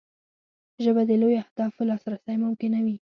ژبه د لویو اهدافو لاسرسی ممکنوي